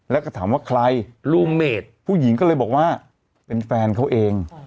แล้วก็ถามว่าใครรูเมดผู้หญิงก็เลยบอกว่าเป็นแฟนเขาเอง